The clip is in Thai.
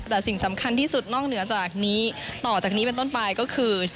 แต่สิ่งสำคัญที่สุดนอกเหนือจากนี้ต่อจากนี้เป็นต้นไปก็คือ